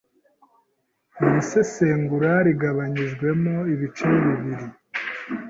Iri sesengura rigabanijwemo ibice bibiri.